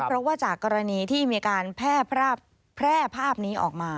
เพราะว่ากรณีที่พร่าพนี้ออกมา